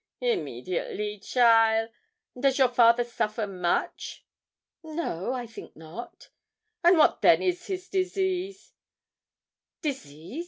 'Immediately, cheaile; and does your father suffer much?' 'No I think not.' 'And what then is his disease?' 'Disease!